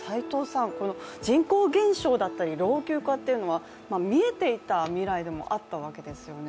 この人口減少だったり老朽化というのは、見えていた未来でもあったわけですよね。